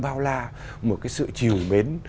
bao la một cái sự chiều mến